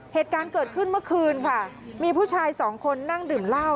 เหตุการณ์เกิดขึ้นเมื่อคืนค่ะมีผู้ชายสองคนนั่งดื่มเหล้า